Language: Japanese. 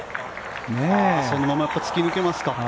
そのまま突き抜けますか。